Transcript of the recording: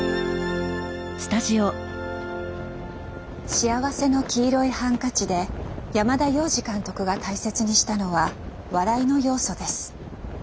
「幸福の黄色いハンカチ」で山田洋次監督が大切にしたのは笑いの要素です。